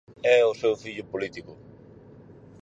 É o seu fillo político.